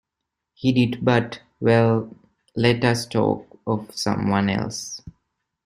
He did, but — well, let us talk of some one else.